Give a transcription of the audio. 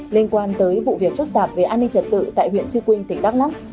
liên quan tới vụ việc phức tạp về an ninh trật tự tại huyện chư quynh tỉnh đắk lắk